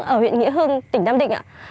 ở huyện nghĩa hương tỉnh nam định